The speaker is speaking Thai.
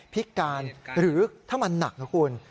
พิการหรือถ้ามันหนักนะคุณ